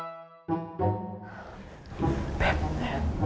kita makannya diluar aja ya nanti